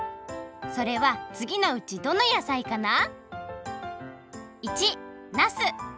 それはつぎのうちどの野菜かな？